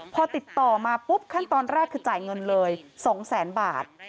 พอติดต่อมาปุ๊บขั้นตอนแรกคือจ่ายเงินเลย๒แสนบาท